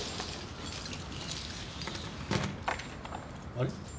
あれ？